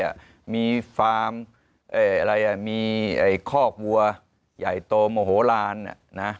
มีฟาร์มอะไรอ่ะมีไอ้คอกวัวใหญ่โตโมโหลานนะ